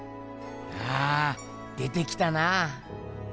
ああ出てきたなぁ。